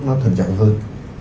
nó trầm trọng hơn